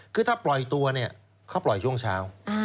คือถ้าปล่อยตัวเนี่ยเขาปล่อยช่วงเช้า